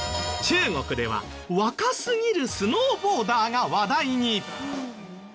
中国では若すぎるスノーボーダーが話題に。